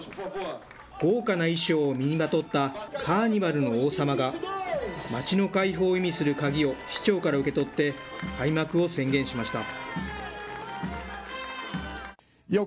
豪華な衣装を身にまとったカーニバルの王様が、街の開放を意味する鍵を市長から受け取って、開幕を宣言しました。